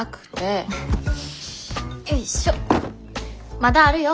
まだあるよ。